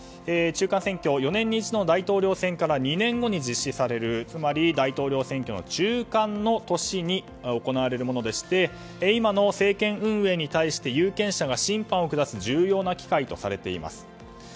これは４年に一度の大統領選から２年後に実施されるつまり、大統領選挙の中間の年に行われるものでして今の政権運営に対して有権者が審判を下す重要な機会とされています。